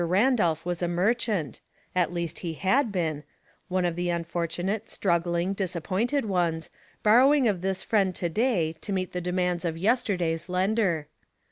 Randolph was a merchant — ft» ''Si)lit Thingsr 9 feast he had been — uDe of the unfortunate, struggling, disappointed ones, borrowing of this friend to day to meet the demands of yesterday's lender.